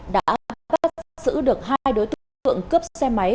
đã bắt giữ được hai đối tượng phượng cướp xe máy